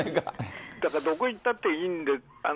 だからどこ行ったっていいんです。